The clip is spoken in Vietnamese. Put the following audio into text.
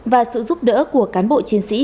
và sự giúp đỡ của cán bộ chiến sĩ